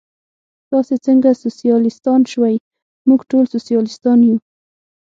تاسې څنګه سوسیالیستان شوئ؟ موږ ټول سوسیالیستان یو.